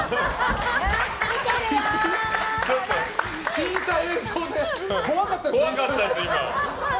引いた映像が怖かったですね。